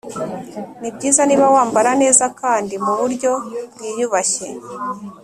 Nibyiza Niba wambara neza kandi mu buryo bwiyubashye.